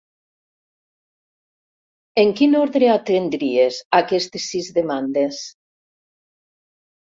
En quin ordre atendries aquestes sis demandes?